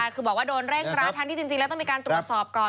คือบอกว่าโดนเร่งรัดทั้งที่จริงแล้วต้องมีการตรวจสอบก่อน